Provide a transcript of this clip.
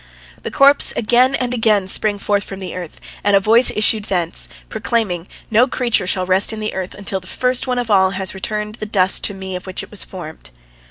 The corpse again and again sprang forth from the earth, and a voice issued thence, proclaiming, "No creature shall rest in the earth until the first one of all has returned the dust to me of which it was formed."